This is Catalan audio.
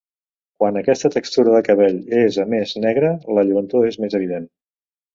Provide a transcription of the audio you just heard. Quan aquesta textura de cabell és a més negre, la lluentor és més evident.